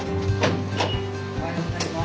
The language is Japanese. おはようございます。